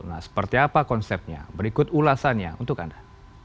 nah seperti apa konsepnya berikut ulasannya untuk anda